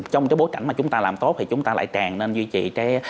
trong cái bối cảnh mà chúng ta làm tốt thì chúng ta lại càng nên duy trì cái